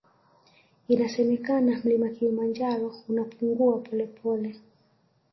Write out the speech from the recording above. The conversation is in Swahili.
Inasemekana mlima kilimanjaro unapungua polepole